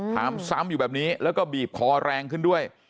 ถามซ้ำอยู่แบบนี้แล้วก็บีบคอแรงขึ้นด้วย